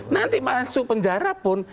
nanti masuk penjara pun